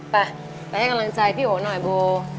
ไปไปให้กำลังใจพี่โอหน่อยโบ